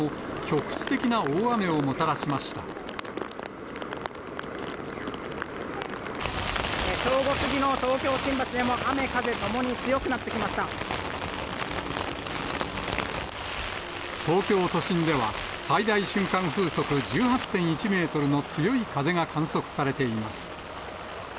正午過ぎの東京・新橋でも、東京都心では、最大瞬間風速１８．１メートルの強い風が観測されています。